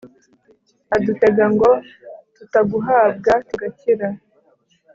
adutega, ngo tutaguhabwa tugakira